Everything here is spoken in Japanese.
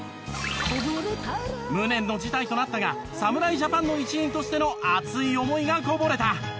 無念の辞退となったが侍ジャパンの一員としての熱い思いがこぼれた。